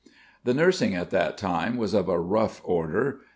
The nursing at that time was of a rough order.